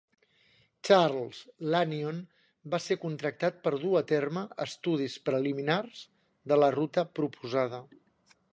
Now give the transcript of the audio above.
Charles Lanyon va ser contractat per a dur a terme estudis preliminars de la ruta proposada.